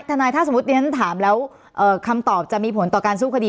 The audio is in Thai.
แต่นายถ้าสมมุตินี่นั้นถามแล้วเอ่อคำตอบจะมีผลต่อการสู้คดี